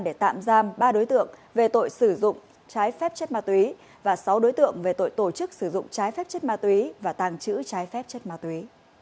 để tạm giam ba đối tượng về tội sử dụng trái phép chất ma túy và sáu đối tượng về tội tổ chức sử dụng trái phép chất ma túy và tàng trữ trái phép chất ma túy